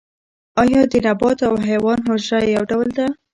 ایا د نبات او حیوان حجره یو ډول ده